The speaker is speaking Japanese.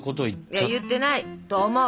いや言ってないと思う。